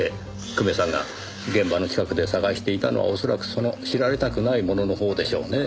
久米さんが現場の近くで捜していたのは恐らくその知られたくないもののほうでしょうねぇ。